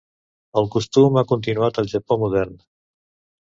El costum ha continuat al Japó modern.